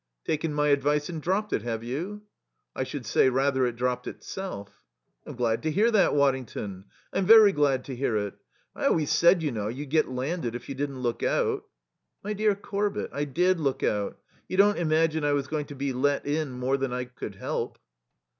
"Taken my advice and dropped it, have you?" "I should say, rather, it dropped itself." "I'm glad to hear that, Waddington; I'm very glad to hear it. I always said, you know, you'd get landed if you didn't look out." "My dear Corbett, I did look out. You don't imagine I was going to be let in more than I could help."